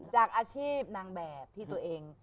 จากอาชีพนางแบบที่ตัวเอง